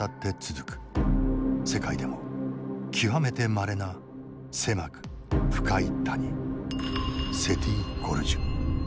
世界でも極めてまれな狭く深い谷セティ・ゴルジュ。